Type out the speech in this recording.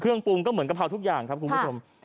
เครื่องปรุงก็เหมือนกะเพราทุกอย่างครับคุณผู้ชม